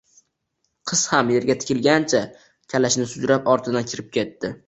Qiz ham yerga tikilgancha, kalishini sudrab ortidan kirib ketdi